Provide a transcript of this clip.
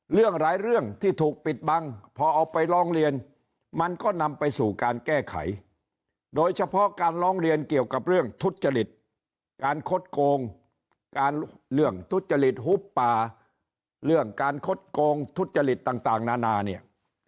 เรื่องหลายเรื่องที่ถูกปิดบังพอเอาไปร้องเรียนมันก็นำไปสู่การแก้ไขโดยเฉพาะการร้องเรียนเกี่ยวกับเรื่องทุจริตการคดโกงการเรื่องทุจริตหุบป่าเรื่องการคดโกงทุจริตต่างนานาเนี่ย